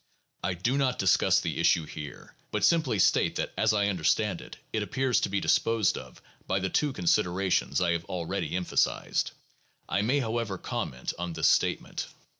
I do not discuss the issue here, but simply state that as I understand it, it appears to be disposed of by the two considerations I have already emphasized. I may, however, comment on this statement.